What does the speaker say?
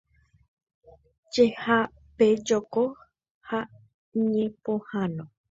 Jehapejoko ha ñepohãno.